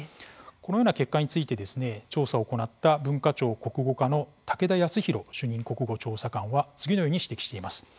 このような結果について調査を行った文化庁国語課の武田康宏主任国語調査官は次のように指摘しています。